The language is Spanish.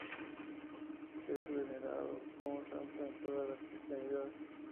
Es venerado como santo en toda la cristiandad.